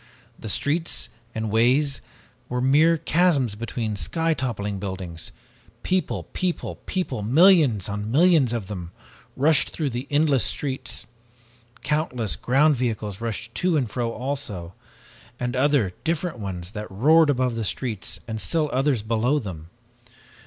The streets and ways were mere chasms between the sky toppling buildings! People people people millions on millions of them rushed through the endless streets. Countless ground vehicles rushed to and fro also, and other different ones that roared above the streets and still others below them!